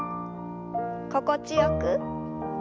心地よく。